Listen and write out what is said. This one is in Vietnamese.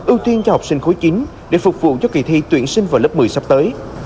ưu tiên cho học sinh khối chín để phục vụ cho kỳ thi tuyển sinh vào lớp một mươi sắp tới